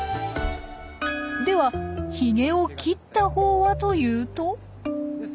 ではヒゲを切ったほうはというと？